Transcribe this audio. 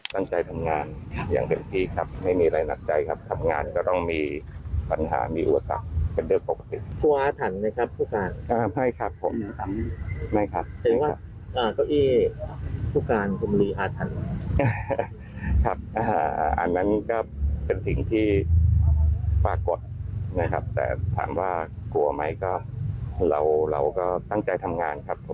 แต่ถามว่ากลัวไหมของเราเราก็ตั้งใจทำงานครับ